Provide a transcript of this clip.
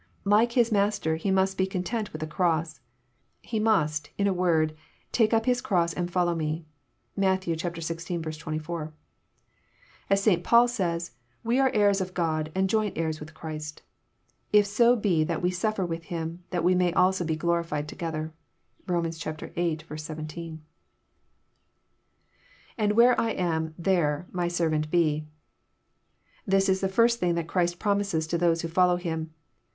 Like His Mas ter, he must be content with a cross. He mast, In a wosd *' take up his cross and follow Me." (Matt. xvi. 24.) As 8t. Paal says, '< we are heirs of God, and joint heirs with Christ ; if so be that we suffer with Him, that we may be also glorified together." (Rom. viil. 17.) lAnd where I am, there. ..my servant be."] This is the first thing that Christ promises to those who follow Him.